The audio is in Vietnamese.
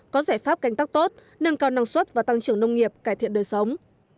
có giải pháp canh tác tốt nâng cao năng suất và tăng trưởng nông nghiệp cải thiện đời sống